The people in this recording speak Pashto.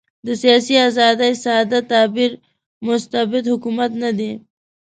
د سیاسي آزادۍ ساده تعبیر مستبد حکومت نه دی.